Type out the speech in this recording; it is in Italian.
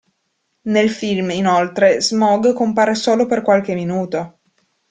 Nel film, inoltre, Smaug compare solo per qualche minuto.